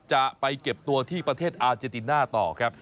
จะไปเก็บตัวที่ประเทศอาเจติน่าต่อครับ